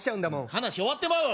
話終わってまうわ